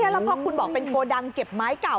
แล้วพอคุณบอกเป็นโกดังเก็บไม้เก่า